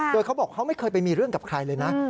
โดยเขาบอกเขาไม่เคยไปมีเรื่องกับใครเลยนะ